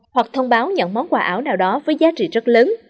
hoặc thông báo nhận món quà ảo nào đó với giá trị rất lớn